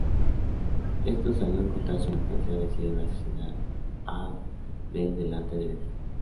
Estos al no encontrar su mercancía deciden asesinar a Del delante de Betty.